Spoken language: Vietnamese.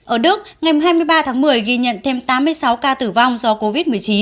ở đức ngày hai mươi ba tháng một mươi ghi nhận thêm tám mươi sáu ca tử vong do covid một mươi chín